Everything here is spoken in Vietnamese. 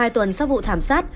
hai tuần sau vụ thảm sát